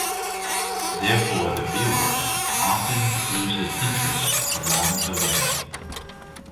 Therefore the viewer often loses interest along the way.